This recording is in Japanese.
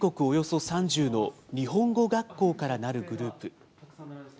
およそ３０の日本語学校からなるグループ。